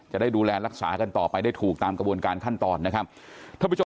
จะได้ดูแลรักษากันต่อไปได้ถูกตามกระบวนการขั้นตอนนะครับท่านผู้ชมครับ